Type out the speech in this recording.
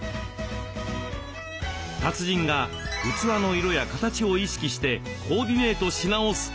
達人が器の色や形を意識してコーディネートし直すと。